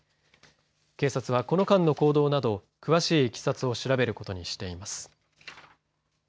警察はこの間の行動など詳しいいきさつを調べることにしています。